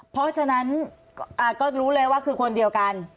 เพราะฉะนั้นก็รู้เลยว่าคือคนเดียวกัน